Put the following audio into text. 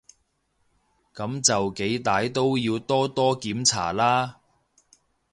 噉就幾歹都要多多檢查啦